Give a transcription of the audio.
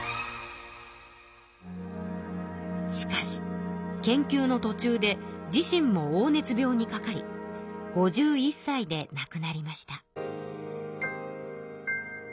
しかし研究のとちゅうで自身も黄熱病にかかり５１さいでなくなりました。